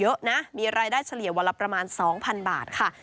เยอะนะมีรายได้เฉลี่ยวันละประมาณ๒๐๐๐บาทค่ะ